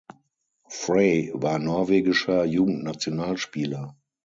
Frey war norwegischer Jugendnationalspieler.